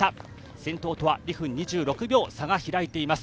先頭とは２分２６秒差が開いています。